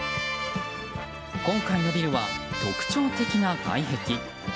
今回のビルは、特徴的な外壁。